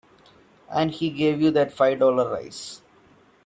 And he gave you that five dollar raise.